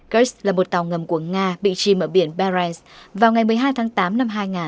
kursk là một tàu ngầm của nga bị chìm ở biển bérenz vào ngày một mươi hai tháng tám năm hai nghìn